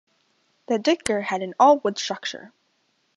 The Duiker had an all-wood structure.